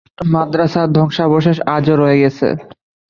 মাদ্রাসার ধ্বংসাবশেষ আজও রয়ে গেছে।